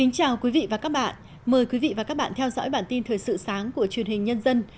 chào mừng quý vị đến với bản tin thời sự sáng của truyền hình nhân dân